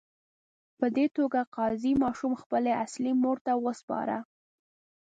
په دې توګه قاضي ماشوم خپلې اصلي مور ته وسپاره.